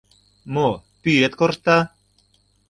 — Мо, пӱэт коршта?